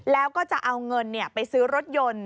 แล้วก็จะเอาเงินไปซื้อรถยนต์